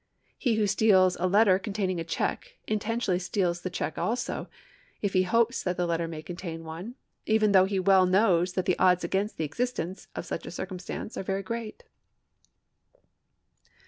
He who steals a letter containing a cheque, intentionally steals the cheque also, if he hopes that the letter may contain one, even though he well knows that the odds against the existence of such a cir cumstance are very great.